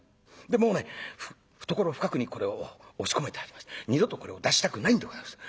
でもうね懐深くにこれを押し込めてありまして二度とこれを出したくないんでございます。